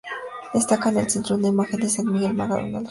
Destaca en el centro una imagen de San Miguel matando al dragón.